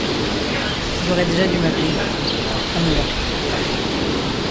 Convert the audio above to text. Il aurait déjà dû m’appeler. On y va.